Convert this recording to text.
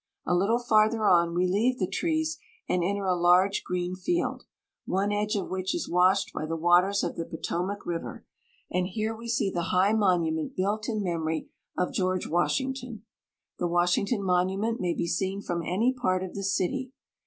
A little farther on, we leave the trees and enter a large green field, one edge of which is washed by the waters of the Potomac Riv^er, and here we see the high monument built in memory of George Washington. The Washington Monument maybe seen from any part of the city.